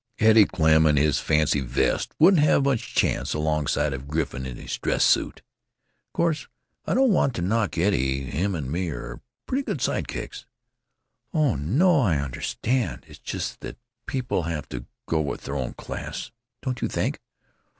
Eddie Klemm and his fancy vest wouldn't have much chance, alongside of Griffin in his dress suit! Course I don't want to knock Eddie. Him and me are pretty good side kicks——" "Oh no; I understand. It's just that people have to go with their own class, don't you think?"